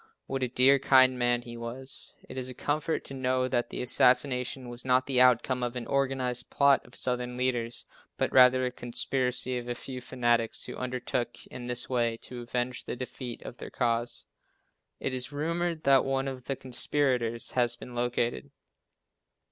What a dear, kind man he was. It is a comfort to know that the assassination was not the outcome of an organized plot of Southern leaders, but rather a conspiracy of a few fanatics, who undertook in this way to avenge the defeat of their cause. It is rumored that one of the conspirators has been located.